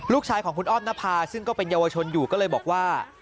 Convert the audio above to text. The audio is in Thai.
ลูกชายของคุณอ้อมนภาซึ่งก็เป็นเยาวชนอยู่ก็เลยบอกว่า